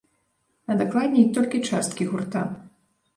А дакладней, толькі часткі гурта.